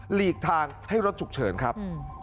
หลีกทางให้รถฉุกเฉินครับ